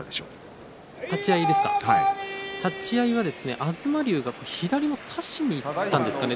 立ち合いが東龍が左を差しにいったんですかね。